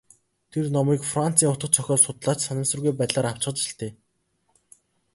Тэр номыг Францын утга зохиол судлаач санамсаргүй байдлаар авчхаж л дээ.